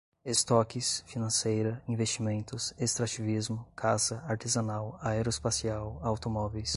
estoques, financeira, investimentos, extrativismo, caça, artesanal, aeroespacial, automóveis